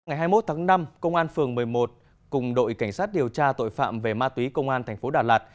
ngày hai mươi một tháng năm công an phường một mươi một cùng đội cảnh sát điều tra tội phạm về ma túy công an thành phố đà lạt